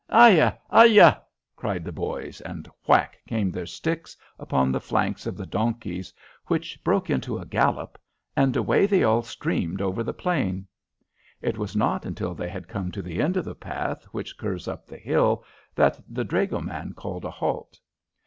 "Ay ah! Ayah!" cried the boys, and whack came their sticks upon the flanks of the donkeys, which broke into a gallop, and away they all streamed over the plain. It was not until they had come to the end of the path which curves up the hill that the dragoman called a halt.